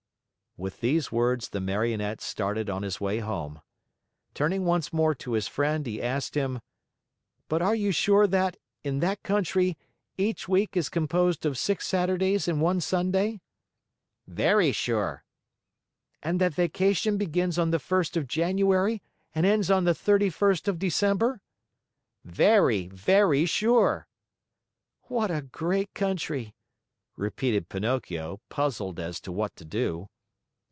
With these words, the Marionette started on his way home. Turning once more to his friend, he asked him: "But are you sure that, in that country, each week is composed of six Saturdays and one Sunday?" "Very sure!" "And that vacation begins on the first of January and ends on the thirty first of December?" "Very, very sure!" "What a great country!" repeated Pinocchio, puzzled as to what to do.